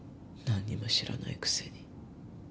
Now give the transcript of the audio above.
何にも知らないくせに。